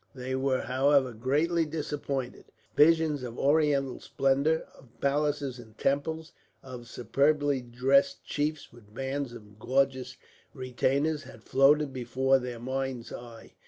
They were, however, greatly disappointed. Visions of oriental splendour, of palaces and temples, of superbly dressed chiefs with bands of gorgeous retainers, had floated before their mind's eye.